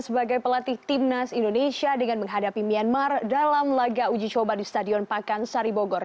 sebagai pelatih timnas indonesia dengan menghadapi myanmar dalam laga uji coba di stadion pakansari bogor